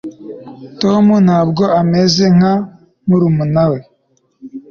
tom ntabwo ameze nka murumuna we